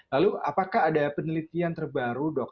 lalu apakah ada penelitian terbaru dok